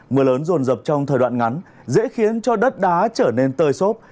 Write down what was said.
mưa lớn rồn rập trong thời đoạn ngắn dễ khiến cho đất đá trở nên tơi xốp